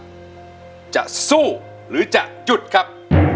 อินโทรเพลงที่๓มูลค่า๔๐๐๐๐บาทมาเลยครับ